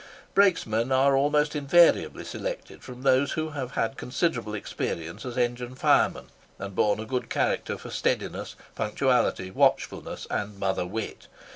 Brakesman are almost invariably selected from those who have had considerable experience as engine firemen, and borne a good character for steadiness, punctuality, watchfulness, and "mother wit."